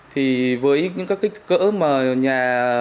thì với những các kích cỡ mà nhà